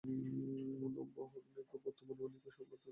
দম্ভ এবং অহমিকাপূর্ণ বর্তমান বণিক্-সভ্যতার ধ্বংস অনিবার্য।